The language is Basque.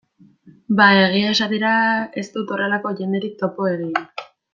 Ba, egia esatera, ez dut horrelako jendearekin topo egin.